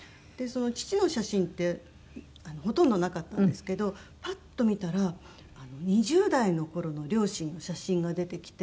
父の写真ってほとんどなかったんですけどパッと見たら２０代の頃の両親の写真が出てきて。